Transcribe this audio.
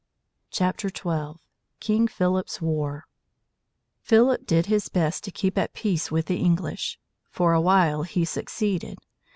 XII. KING PHILIP'S WAR Philip did his best to keep at peace with the English. For a while he succeeded.